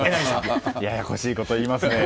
ややこしいこと言いますね。